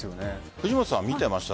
藤本さん、見てました？